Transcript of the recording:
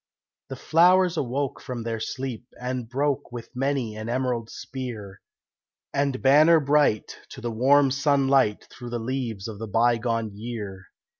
The flowers awoke from their sleep, and broke With many an emerald spear And banner bright to the warm sunlight Through the leaves of the bygone year.